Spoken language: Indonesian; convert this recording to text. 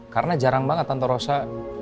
karena jarang banget tante rosa